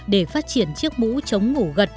để phát triển chiếc mũ chống ngủ gật